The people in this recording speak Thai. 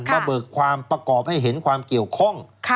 เบิกความประกอบให้เห็นความเกี่ยวข้อง